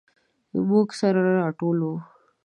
موږ سره راټول وو.